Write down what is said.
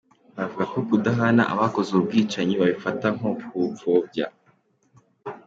Bavuga ko kudahana abakoze ubu bwicanyi babifata nko kubupfobya.